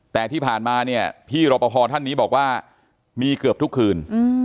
แต่ที่ผ่านมาเนี่ยพี่รอปภท่านนี้บอกว่ามีเกือบทุกคืน